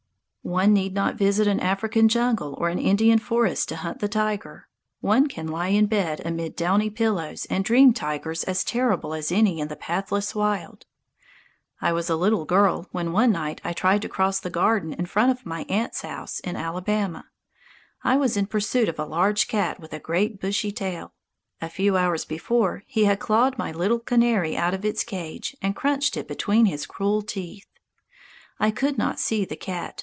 One need not visit an African jungle or an Indian forest to hunt the tiger. One can lie in bed amid downy pillows and dream tigers as terrible as any in the pathless wild. I was a little girl when one night I tried to cross the garden in front of my aunt's house in Alabama. I was in pursuit of a large cat with a great bushy tail. A few hours before he had clawed my little canary out of its cage and crunched it between his cruel teeth. I could not see the cat.